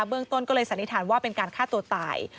เรื่องต้นก็เลยสันนิษฐานว่าเป็นการฆ่าตัวตาย